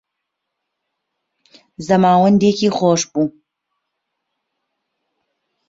زەماوندێکی خۆش بوو